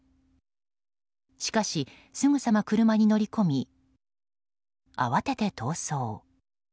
しかし、すぐさま車に乗り込み慌てて逃走。